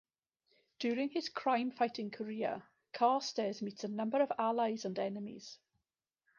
During his crime-fighting career, Carstairs meets a number of allies and enemies.